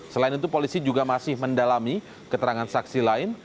selain itu polisi juga masih mendalami keterangan saksi lain